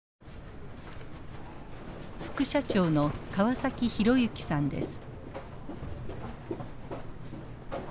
副社長の川崎浩之さんです。